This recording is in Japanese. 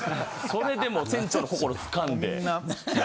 それでもう船長の心掴んで。